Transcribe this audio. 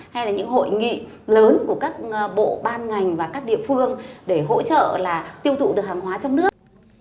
hay là những hội nghị lớn của các bộ ban ngành và các địa phương để hỗ trợ là tiêu thụ được hàng hóa trong nước